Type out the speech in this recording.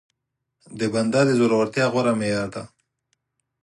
د بنده د زورورتيا غوره معيار دی.